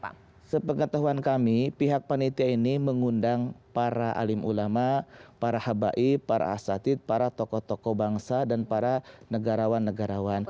nah sepengetahuan kami pihak panitia ini mengundang para alim ulama para habaib para asatid para tokoh tokoh bangsa dan para negarawan negarawan